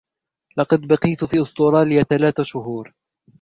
لقد بقيت في أستراليا ثلاث شهور.